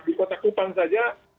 di kota kupang saja